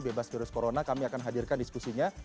bebas virus corona kami akan hadirkan diskusinya